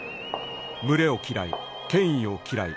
群れを嫌い権威を嫌い